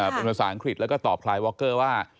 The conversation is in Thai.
เป็นภาษาอังกฤษแล้วก็ตอบพลายวอคเกอร์ว่า